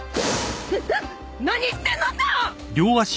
なな何してんのさ！？